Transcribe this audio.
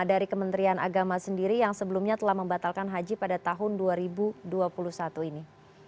dari kementerian agama sendiri yang sebelumnya telah membatalkan haji pada tahun dua ribu dua puluh satu ini